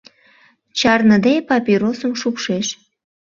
Чарныде папиросым шупшеш.